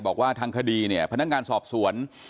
บอกว่าทางคดีเนี่ยพนักงานสอบสวน